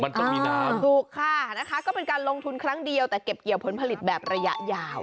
มันก็มีน้ำถูกค่ะนะคะก็เป็นการลงทุนครั้งเดียวแต่เก็บเกี่ยวผลผลิตแบบระยะยาว